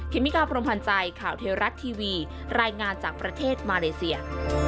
เมกาพรมพันธ์ใจข่าวเทวรัฐทีวีรายงานจากประเทศมาเลเซีย